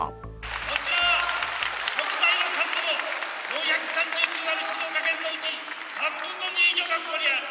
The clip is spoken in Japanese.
こちらは食材の数も４３９ある静岡県のうち３分の２以上がここにある。